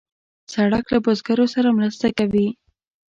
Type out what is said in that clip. سړک له بزګرو سره مرسته کوي.